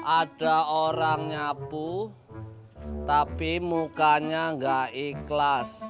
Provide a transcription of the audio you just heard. ada orang nyapu tapi mukanya nggak ikhlas